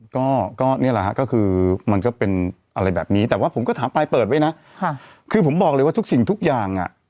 ก็ก็นี่แหละฮะก็คือมันก็เป็นอะไรแบบนี้แต่ว่าผมก็ถามปลายเปิดไว้นะคือผมบอกเลยว่าทุกสิ่งทุกอย่างอ่ะ